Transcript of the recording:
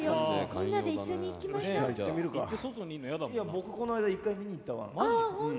僕この間１回見に行ったワン。